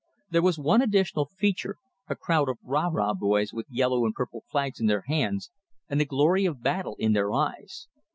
There was one additional feature, a crowd of "rah rah boys," with yellow and purple flags in their hands, and the glory of battle in their eyes.